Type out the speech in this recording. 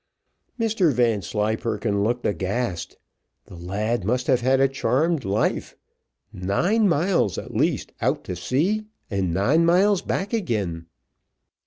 Mr Vanslyperken looked aghast; the lad must have had a charmed life. Nine miles at least out to sea, and nine miles back again.